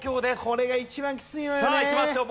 これが一番きついのよね。